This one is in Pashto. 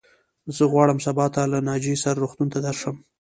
زه غواړم سبا ته له ناجيې سره روغتون ته درشم.